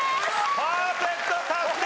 パーフェクト達成！